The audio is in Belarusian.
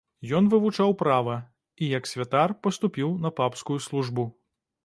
Ён вывучаў права і, як святар, паступіў на папскую службу.